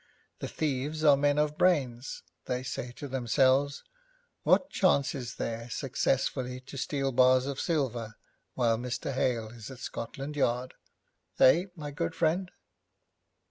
The thieves are men of brains. They say to themselves, "What chance is there successfully to steal bars of silver while Mr. Hale is at Scotland Yard?" Eh, my good friend?'